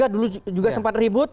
dulu juga sempat terhitung